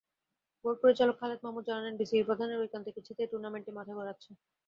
Board পরিচালক খালেদ মাহমুদ জানালেন, বিসিবিপ্রধানের ঐকান্তিক ইচ্ছাতেই টুর্নামেন্টটি মাঠে গড়াচ্ছে।